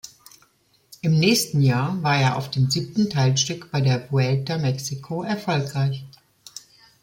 Im nächsten Jahr war er auf dem siebten Teilstück bei der Vuelta Mexico erfolgreich.